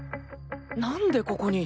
何でここに。